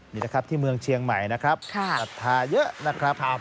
นี่นะครับที่เมืองเชียงใหม่นะครับศรัทธาเยอะนะครับ